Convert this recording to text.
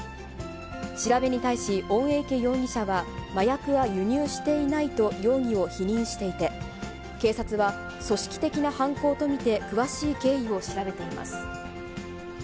調べに対し、オンエイケ容疑者は、麻薬は輸入していないと容疑を否認していて、警察は、組織的な犯行と見て詳しい経緯を調べています。